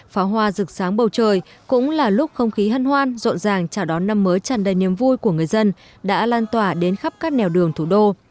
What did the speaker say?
pháo hoa rực sáng bầu trời cũng là lúc không khí hân hoan rộn ràng chào đón năm mới tràn đầy niềm vui của người dân đã lan tỏa đến khắp các nẻo đường thủ đô